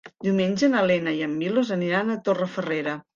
Diumenge na Lena i en Milos aniran a Torrefarrera.